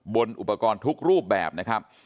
บนอุปกรณ์ทุกรูปแบบนะครับ